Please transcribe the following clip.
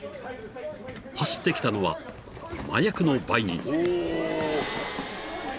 ［走ってきたのは麻薬の売人］